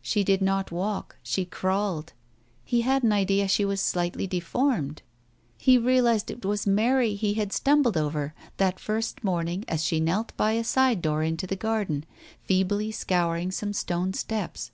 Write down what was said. She did not walk, she crawled; he had an idea she was slightly deformed? He realized that it was Mary he had stumbled over that first morning as she knelt by a side door into the garden, feebly scouring some stone steps.